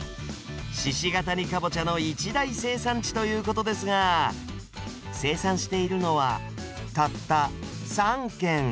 鹿ケ谷かぼちゃの一大生産地ということですが生産しているのはたった３軒。